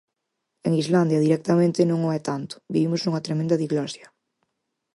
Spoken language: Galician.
En Islandia directamente non o é tanto, vivimos nunha tremenda diglosia.